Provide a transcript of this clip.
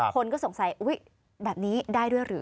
คนก็สงสัยอุ๊ยแบบนี้ได้ด้วยหรือ